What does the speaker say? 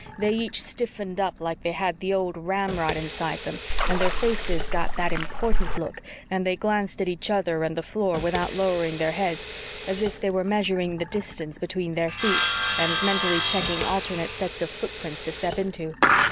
They each stiffened up like they had the old ramrod inside them, and their faces got that important look, and they glanced at each other and the floor without lowering their heads, as if they were measuring the distance between their feet and mentally chalking alternate sets of footprints to step into.